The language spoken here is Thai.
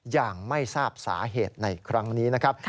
อย่างไม่ทราบสาเหตุในครั้งนี้นะครับ